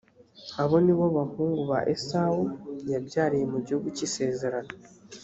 abo ni bo bahungu ba esawu yabyariye mu gihugu cy’isezerano